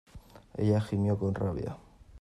ella gimió con rabia: